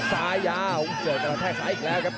ซ้าย่าวโอ้โฮเจอกันกับแท๊กศักดิ์อีกแล้วครับ